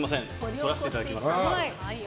掘らせていただきます。